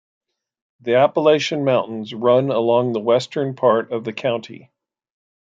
The Appalachian Mountains run along the western part of the county.